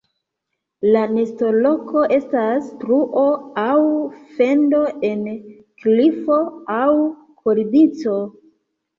La nestoloko estas truo aŭ fendo en klifo aŭ kornico.